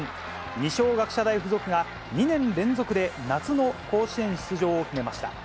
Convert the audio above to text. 二松学舎大附属が、２年連続で夏の甲子園出場を決めました。